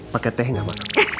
paket teh nggak ma